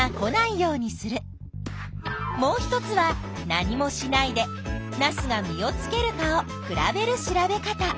もう１つは何もしないでナスが実をつけるかを比べる調べ方。